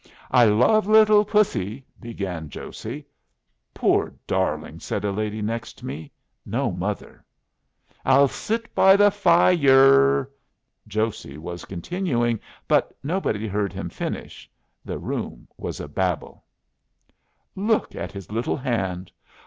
"I love little pussy," began Josey. "Poor darling!" said a lady next me. "No mother." "I'll sit by the fi yer." Josey was continuing. But nobody heard him finish. The room was a Babel. "Look at his little hand!"